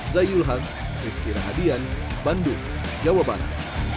zayul han neskira hadian bandung jawa barat